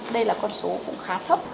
đây là con số cũng khá thấp